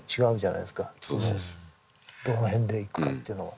どの辺で行くかっていうのは。